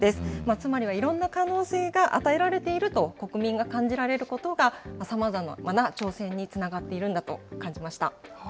つまりはいろんな可能性が与えられていると国民が感じられることが、さまざまな挑戦につながっているんだと感じました。